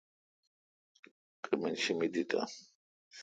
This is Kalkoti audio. کمِن شی مے دہتہ؟